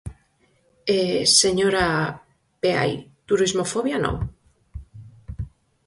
E, señora Peai, turismofobia, non.